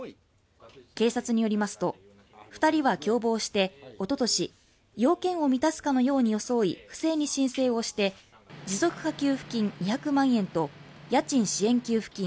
警察によりますと、２人は共謀しておととし、要件を満たすかのように装い不正に申請して持続化給付金２００万円と家賃支援給付金